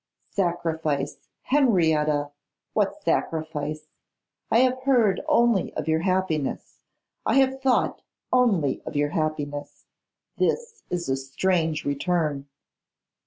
'Sacrifice, Henrietta! What sacrifice? I have heard only of your happiness; I have thought only of your happiness. This is a strange return.